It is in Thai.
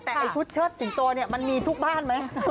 แต่ชุดเชิดสิงโตมันมีทุกบ้านไหม